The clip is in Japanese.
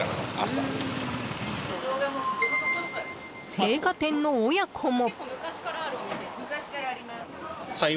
青果店の親子も。